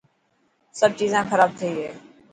سڀ چيزان خراب ٿي گئي.